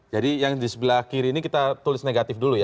jadi yang di sebelah kiri ini kita tulis negatif dulu ya